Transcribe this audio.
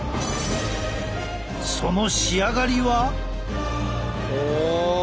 その仕上がりは？